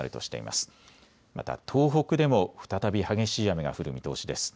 また東北でも再び激しい雨が降る見通しです。